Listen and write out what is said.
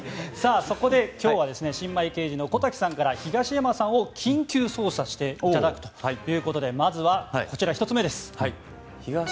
そこで今日は新米刑事の小瀧さんから東山さんを緊急捜査していただくということでまずはこちら１つ目です。